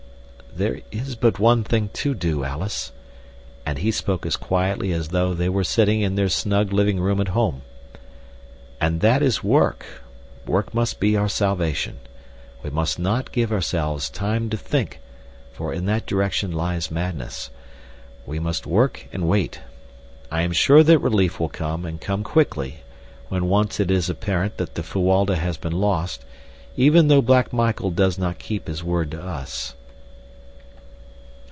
"There is but one thing to do, Alice," and he spoke as quietly as though they were sitting in their snug living room at home, "and that is work. Work must be our salvation. We must not give ourselves time to think, for in that direction lies madness. "We must work and wait. I am sure that relief will come, and come quickly, when once it is apparent that the Fuwalda has been lost, even though Black Michael does not keep his word to us."